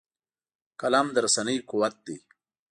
قلم د رسنۍ قوت دی